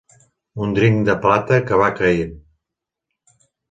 Un dring de plata que va caient